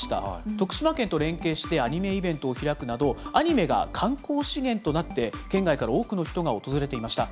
徳島県と連携してアニメイベントを開くなど、アニメが観光資源となって、県外から多くの人が訪れていました。